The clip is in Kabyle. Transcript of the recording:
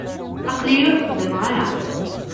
Aql-iyi ur xeddmeɣ ara.